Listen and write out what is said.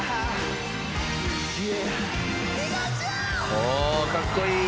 「おおかっこいい」